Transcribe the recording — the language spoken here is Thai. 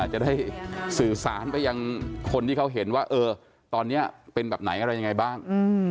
จะได้สื่อสารไปยังคนที่เขาเห็นว่าตอนนี้เป็นแบบไหนอะไรยังไงบ้าง